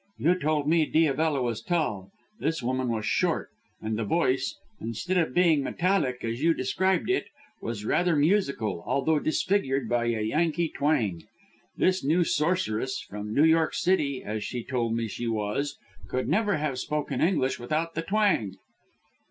You told me Diabella was tall; this woman was short, and the voice, instead of being metallic, as you described it, was rather musical, although disfigured by a Yankee twang. This new sorceress, from New York City, as she told me she was, could never have spoken English without the twang."